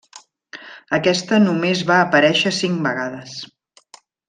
Aquesta només va parèixer cinc vegades.